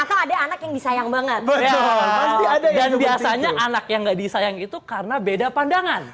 atau ada anak yang disayang banget dan biasanya anak yang nggak disayang itu karena beda pandangan